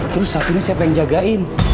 terus sabina siapa yang jagain